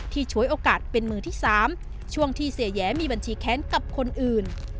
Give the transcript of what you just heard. ฉวยโอกาสเป็นมือที่๓ช่วงที่เสียแย้มีบัญชีแค้นกับคนอื่น